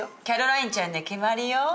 キャロラインちゃんで決まりよ。